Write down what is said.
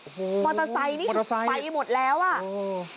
โอ้โหมอเตอร์ไซค์นี่คือไปหมดแล้วอ่ะโอ้โห